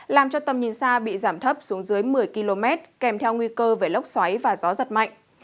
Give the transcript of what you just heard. làm cho tầm nhìn xa bị giảm thấp xuống dưới một mươi km kèm theo nguy cơ về lốc xoáy và gió giật mạnh